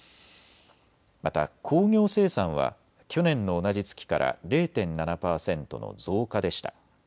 また工業生産は去年の同じ月から０．７％の増加でした。